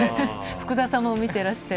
福澤さんも見てらして。